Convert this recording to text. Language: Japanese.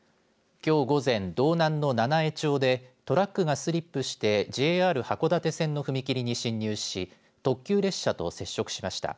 きょう午前、道南の七飯町でトラックがスリップしてＪＲ函館線の踏み切りに侵入し特急列車と接触しました。